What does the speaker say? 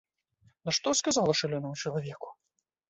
Нашто сказала шалёнаму чалавеку?